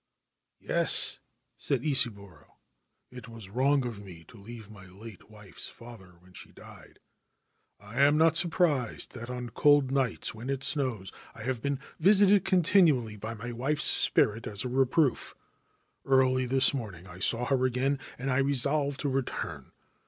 4 Yes/ said Isaburo : c it was wrong of me to leave my late wife's father when she died, and I am not surprised that on cold nights when it snows I have been visited continually by my wife's spirit as a reproof. Early this morning I saw her again, and I resolved to return.